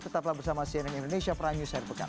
tetaplah bersama cnn indonesia pranyu serpekan